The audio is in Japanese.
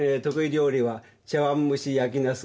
料理は茶碗蒸し焼きナス。